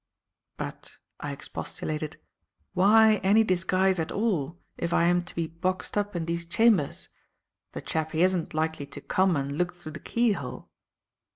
"But," I expostulated, "why any disguise at all, if I am to be boxed up in these chambers? The chappie isn't likely to come and look through the keyhole."